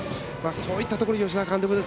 そういったところ吉田監督